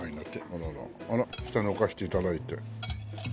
あらら下に置かせて頂いて。